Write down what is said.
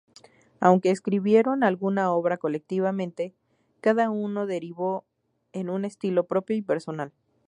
Aunque escribieron alguna obra colectivamente, cada uno derivó en un estilo propio y personal.